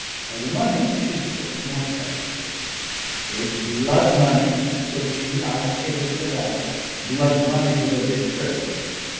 Of the money she spoke more tragically. "It's blood money!" said she; "I take it for that: blood money for the betrayed!